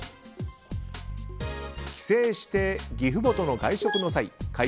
帰省して義父母との外食の際会